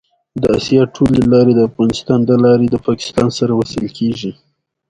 افغانستان د بادام له پلوه متنوع دی.